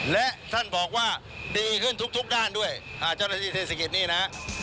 และท่านบอกว่าดีขึ้นทุกด้านด้วยเจ้าหน้าที่เศรษฐกิจนี่นะ